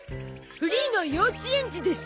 フリーの幼稚園児です。